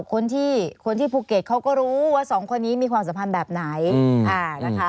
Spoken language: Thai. คนที่คนที่ภูเก็ตเขาก็รู้ว่าสองคนนี้มีความสัมพันธ์แบบไหนนะคะ